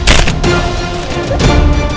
aku cintai monyakmu